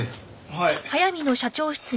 はい。